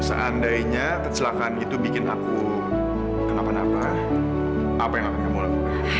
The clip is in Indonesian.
seandainya kecelakaan itu bikin aku kenapa napa apa yang akan kamu lakukan